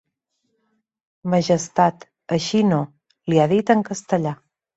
Majestat, així, no, li ha dit en castellà.